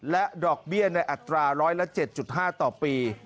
และดอกเบี้ยในอัตราร้อยละ๗๕ต่อปี